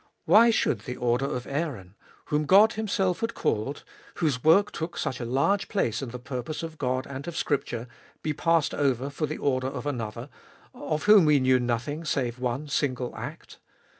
Why should the order of Aaron, whom God Himself had called, whose work took such a large place in the purpose of God and of Scripture, be passed over for the order of another, of whom we knew nothing save one single act